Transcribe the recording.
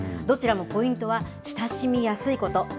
どちらもポイントは、親しみやすいこと。